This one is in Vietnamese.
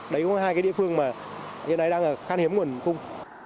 đấy cũng là hai địa phương mà hiện nay đang khán hiếm nguồn cung